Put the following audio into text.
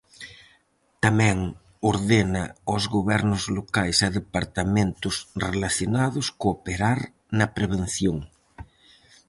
Tamén ordena ós gobernos locais e departamentos relacionados cooperar na prevención.